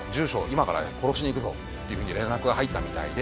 今から殺しに行くぞ！」っていう風に連絡が入ったみたいで。